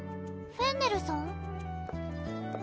フェンネルさん！